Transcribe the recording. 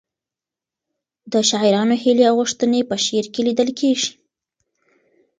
د شاعرانو هیلې او غوښتنې په شعر کې لیدل کېږي.